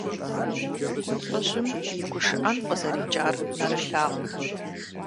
ЛӀыжьым и гушыӀэн къызэрикӀар нэрылъагъут.